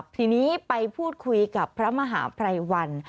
ทีนี้ไปพูดคุยกับพระมหาภัยวัน